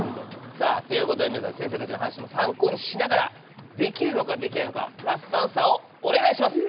さぁということで皆さん先生たちの話も参考にしながらできるのかできないのかラストアンサーをお願いします。